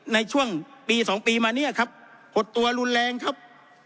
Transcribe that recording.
ในช่วงปี๒ปีมาเนี่ยครับหดตัวรุนแรงครับ